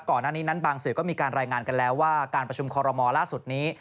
ก่อนหน้านี้นั้นบางสื่อก็มีการรายงานกันแล้วว่าการประชุมคอรมอลล่าสุดนี้